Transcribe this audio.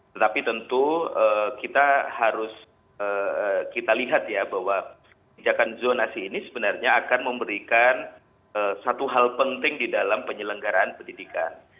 tetapi tentu kita harus kita lihat ya bahwa kebijakan zonasi ini sebenarnya akan memberikan satu hal penting di dalam penyelenggaraan pendidikan